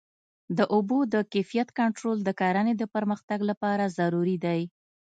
د اوبو د کیفیت کنټرول د کرنې د پرمختګ لپاره ضروري دی.